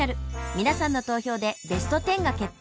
皆さんの投票でベスト１０が決定！